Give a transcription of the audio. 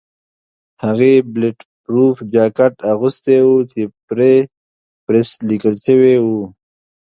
هغې بلېټ پروف جاکټ اغوستی و چې پرې پریس لیکل شوي وو.